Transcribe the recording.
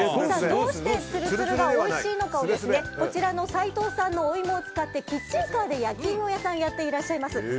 どうしてツルツルがおいしいのかをこちらの斎藤さんのお芋を使ってキッチンカーで焼き芋屋さんをやっていらっしゃいます